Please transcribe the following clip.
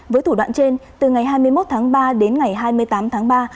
với thủ đoạn trên từ ngày hai mươi một tháng ba đến ngày hai mươi tám tháng ba